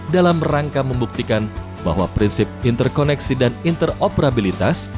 dalam rangka membuktikan bahwa prinsip interkoneksi dan interoperabilitas